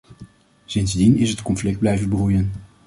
Sindsdien is het conflict blijven broeien.